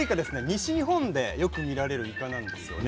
西日本でよく見られるイカなんですよね。